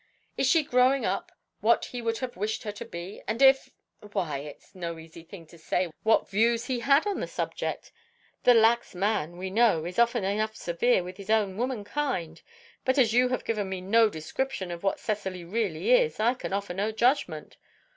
Is she growing up what he would have wished her to be? And if " "Why, it's no easy thing to say what views he had on this subject. The lax man, we know, is often enough severe with his own womankind. But as you have given me no description of what Cecily really is, I can offer no judgment.